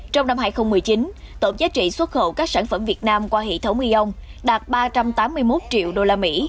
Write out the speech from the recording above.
trong năm hai nghìn một mươi chín tổng giá trị xuất khẩu các sản phẩm việt nam qua hệ thống eon đạt ba trăm tám mươi một triệu usd